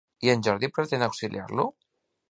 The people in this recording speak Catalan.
I en Jordi pretén auxiliar-lo?